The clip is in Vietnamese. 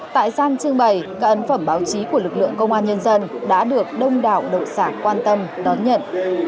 tại gian trưng bày các ấn phẩm báo chí của lực lượng công an nhân dân đã được đông đảo độc giả quan tâm đón nhận